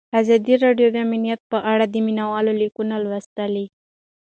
ازادي راډیو د امنیت په اړه د مینه والو لیکونه لوستي.